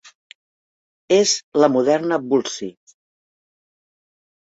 És la moderna Vulci.